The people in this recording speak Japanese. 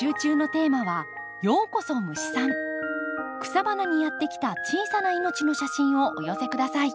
草花にやって来た小さな命の写真をお寄せ下さい。